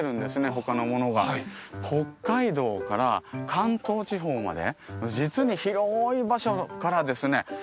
他のものが北海道から関東地方まで実に広い場所からですね